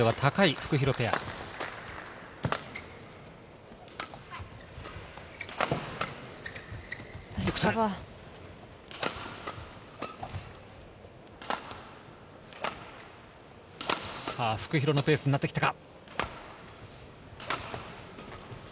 フクヒロのペースになってきたか？